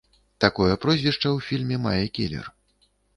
Такое прозвішча ў фільме мае кілер.